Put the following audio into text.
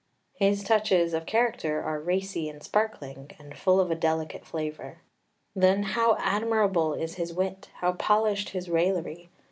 His touches of character are racy and sparkling, and full of a delicate flavour. Then how admirable is his wit, how polished his raillery!